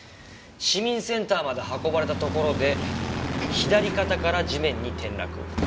市民センターまで運ばれたところで左肩から地面に転落。